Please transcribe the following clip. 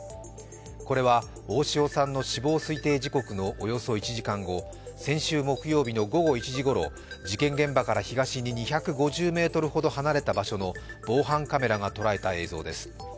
これは大塩さんの死亡推定時刻のおよそ１時間後先週木曜日の午後１時ごろ、事件現場から東に２５０ｍほど離れた場所の防犯カメラが捉えた映像です。